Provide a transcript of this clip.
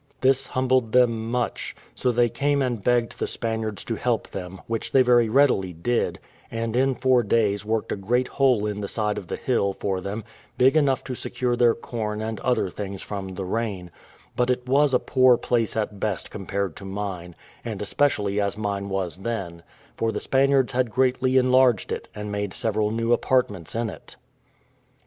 This humbled them much: so they came and begged the Spaniards to help them, which they very readily did; and in four days worked a great hole in the side of the hill for them, big enough to secure their corn and other things from the rain: but it was a poor place at best compared to mine, and especially as mine was then, for the Spaniards had greatly enlarged it, and made several new apartments in it.